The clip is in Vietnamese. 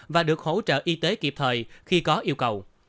và được hỗ trợ y tế kịp thời khi có yêu cầu